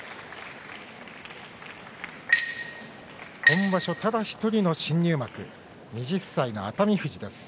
今場所ただ１人の新入幕、２０歳の熱海富士です。